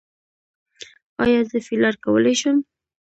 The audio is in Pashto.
ایا زه فیلر کولی شم؟